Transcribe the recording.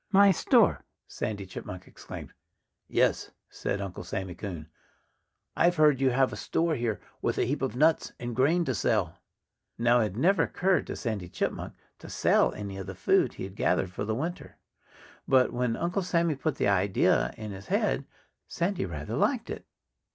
"My store!" Sandy Chipmunk exclaimed. "Yes!" said Uncle Sammy Coon. "I've heard you have a store here with a heap of nuts and grain to sell." Now, it had never occurred to Sandy Chipmunk to sell any of the food he had gathered for the winter. But when Uncle Sammy put the idea in his head Sandy rather liked it.